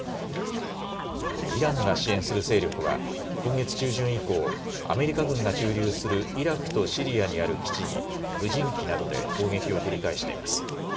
イランが支援する勢力は今月中旬以降、アメリカ軍が駐留するイラクとシリアにある基地に無人機などで攻撃を繰り返しています。